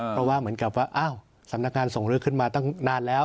เพราะว่าเหมือนกับว่าอ้าวสำนักงานส่งเลือกขึ้นมาตั้งนานแล้ว